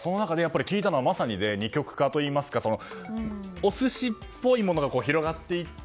まさに二極化といいますかお寿司っぽいものが広がっていって